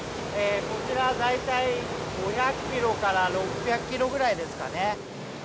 こちら、大体５００キロから６００キロぐらいですかね。